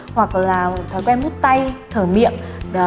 hoặc là thói quen mút tay thở miệng